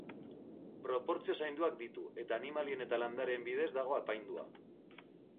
Proportzio zainduak ditu, eta animalien eta landareen bidez dago apaindua.